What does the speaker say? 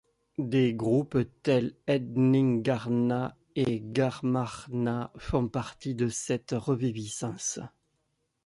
Des groupes tels Hedningarna et Garmarna font partie de cette reviviscence.